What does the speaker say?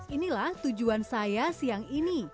inilah tujuan saya siang ini